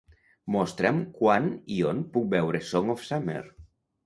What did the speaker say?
Mostra'm quan i on puc veure Song of Summer